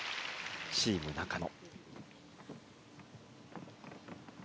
チーム中野。